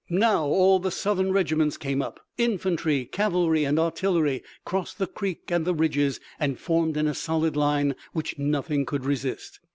Now all the Southern regiments came up. Infantry, cavalry and artillery crossed the creek and the ridges and formed in a solid line which nothing could resist.